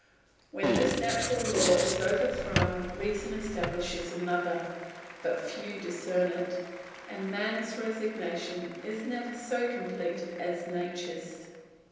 When this natural law is overthrown reason establishes another, but few discern it, and man's resignation is never so complete as nature's.